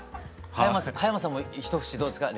羽山さんも一節どうですか？